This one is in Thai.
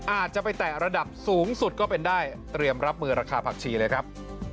อาจจะไปแตะระดับสูงสุดก็เป็นได้เตรียมรับมือราคาผักชีเลยครับ